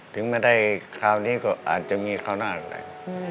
ถึงไม่ได้คราวนี้ก็อาจจะมีคราวหน้าอะไร